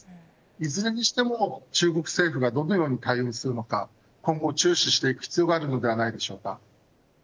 いずれにしても中国政府がどのように対応するのか今後、注視していく必要があるのではないでしょうか。